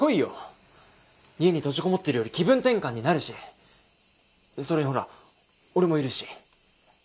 家に閉じ籠もってるより気分転換になるしそれにほら俺もいるし。